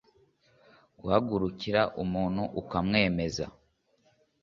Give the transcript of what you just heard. guhagurukira umuntu ukamwemeza